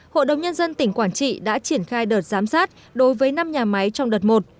hội đồng nhân dân tỉnh quảng trị đã triển khai đợt giám sát đối với năm nhà máy trong đợt một